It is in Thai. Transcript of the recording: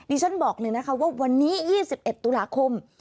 ฉันบอกเลยนะคะว่าวันนี้๒๑ตุลาคม